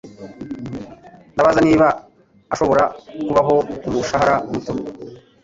Ndabaza niba ashobora kubaho ku mushahara muto